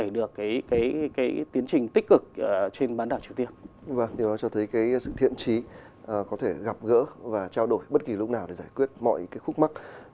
điều đó cho thấy sự thiện trí có thể gặp gỡ và trao đổi bất kỳ lúc nào để giải quyết mọi khúc mắt